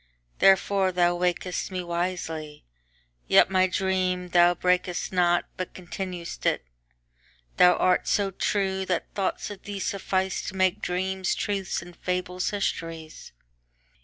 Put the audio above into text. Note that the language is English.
Therefore thou waked'st me wisely; yetMy dream thou brak'st not, but continued'st it:Thou art so true that thoughts of thee sufficeTo make dreams truths and fables histories.